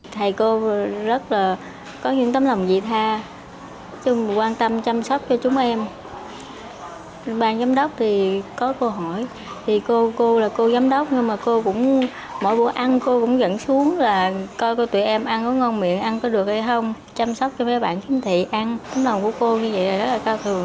thầy cô rất là có những tấm lòng dị tha quan tâm chăm sóc cho chúng em ban giám đốc thì có câu hỏi thì cô là cô giám đốc nhưng mà cô cũng mỗi buổi ăn cô cũng dẫn xuống là coi coi tụi em ăn có ngon miệng ăn có được hay không chăm sóc cho mấy bạn chính thị ăn tấm lòng của cô như vậy là rất là cao thường